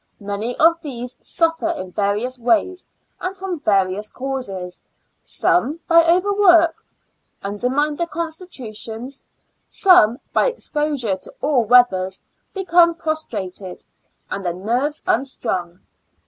Many of these suffer in various ways, and from various causes. Some, by overwork, undermine their constitutions; some, by exposure to all weathers, become prostrated, and their nerves unstrung.